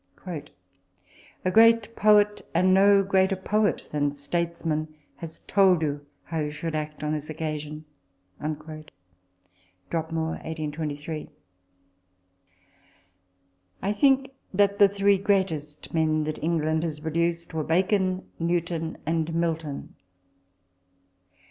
" A great poet, and no greater poet than states man, has told you how you should act on this occasion." (Lord Grenville, Dropmore, 1823.) I think that the three greatest men that England has produced were Bacon, Newton, and Milton.